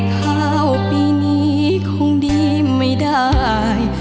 ข้าวปีนี้คงดีไม่ได้